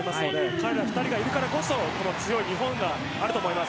彼ら２人がいるからこそこの強い日本があると思います。